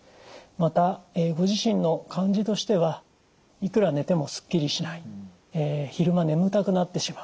またご自身の感じとしてはいくら寝てもすっきりしない昼間眠たくなってしまう。